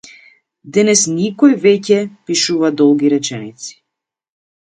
Денес никој веќе пишува толку долги реченици.